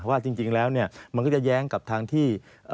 ว่าจริงแล้วเนี่ยมันก็จะแย้งกับทางที่